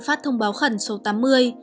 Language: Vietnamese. phát thông báo khẩn số tám mươi